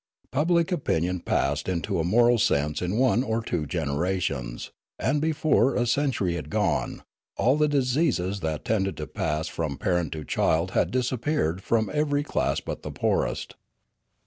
Public opin ion passed into a moral sense in one or two generations, and, before a century had gone, all the diseases that tended to pass from parent to child had disappeared from every class but the poorest.